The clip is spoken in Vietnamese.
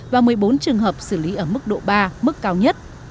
và một mươi bốn trường hợp xử lý ở mức độ ba mức cao nhất